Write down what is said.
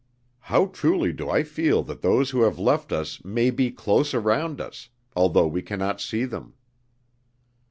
How truly do I feel that those who have left us may be close around us, although we can not see them."